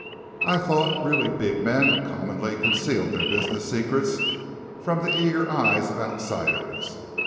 "I thought really big men commonly concealed their business secrets from the eager ears of outsiders."